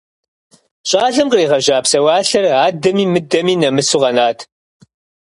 ЩӀалэм къригъэжьа псэуалъэр адэми мыдэми нэмысу къэнат.